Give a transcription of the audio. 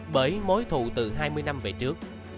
bởi mối thù từ hai mươi năm về trước